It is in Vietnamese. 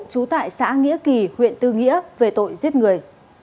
trú tại xã nghĩa kỳ huyện tư nghĩa về tội giết người